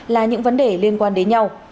là những vấn đề liên quan đến nhau